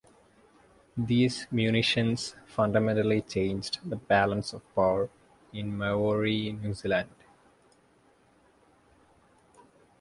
These munitions fundamentally changed the balance of power in Maori New Zealand.